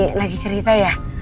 oh lagi cerita ya